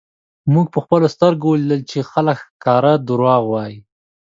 مونږ په خپلو سترږو ولیدل چی خلک ښکاره درواغ وایی